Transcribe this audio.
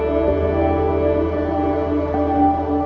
karena tidak bisa su